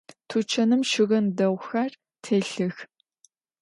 Тучаным щыгъын дэгъухэр телъых.